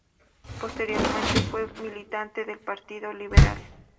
Posteriormente fue militante del Partido Liberal.